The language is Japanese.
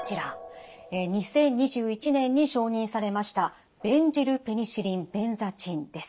２０２１年に承認されましたベンジルペニシリンベンザチンです。